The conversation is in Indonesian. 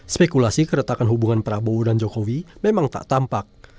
spekulasi keretakan hubungan prabowo dan jokowi memang tak tampak